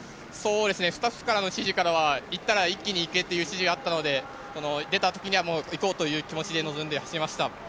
スタッフの指示からは行ったら一気に行けという指示があったので、出たときにはいこうという気持ちで臨んで走りました。